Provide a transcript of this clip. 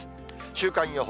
週間予報。